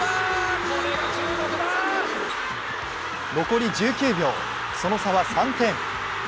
残り１９秒、その差は３点。